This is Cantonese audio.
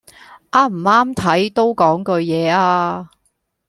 啱唔啱睇都講句嘢吖